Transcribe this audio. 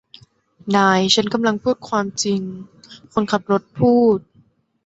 นายฉันกำลังพูดความจริงคนขับรถพูด